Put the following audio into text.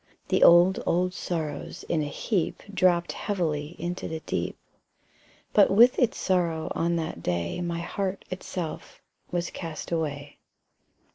The old, old sorrows in a heap Dropped heavily into the deep; But with its sorrow on that day My heart itself was cast away.